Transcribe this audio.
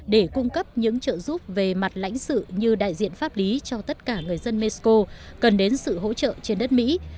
để cung cấp những trợ giúp về mặt lãnh sự như đại diện pháp lý cho tất cả người dân mexico cần đến sự hỗ trợ trên đất mỹ